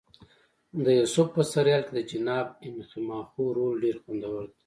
د یوسف په سریال کې د جناب انخماخو رول ډېر خوندور دی.